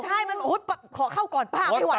ใช่มันแบบขอเข้าก่อนป้าไม่ไหวแล้ว